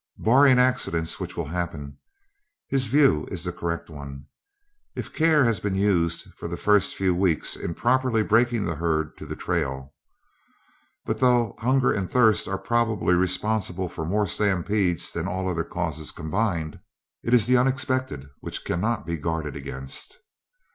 Barring accidents, which will happen, his view is the correct one, if care has been used for the first few weeks in properly breaking the herd to the trail. But though hunger and thirst are probably responsible for more stampedes than all other causes combined, it is the unexpected which cannot be guarded against.